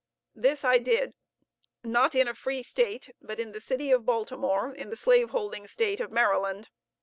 This I did, not in a free State, but in the city of Baltimore, in the slave holding State of Maryland.